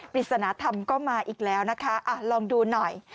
ปริศนธรรมก็มาอีกแล้วนะคะลองดูหน่อย